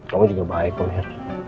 kamu juga baik om her